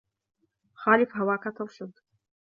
خالف هواك ترشد